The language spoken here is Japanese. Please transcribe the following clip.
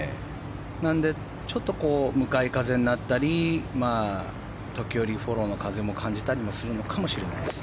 なのでちょっと向かい風になったり時折、フォローの風も感じたりするかもしれないです。